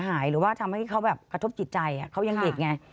หรือว่าทำให้เขาแบบกระทบจิตใจเขายังเด็กไง